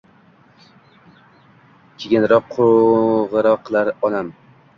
Keginroq qungiroq qilarman onam